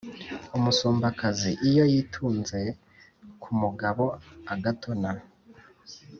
umusumbakazi iyo yitunze ku mugabo agatona,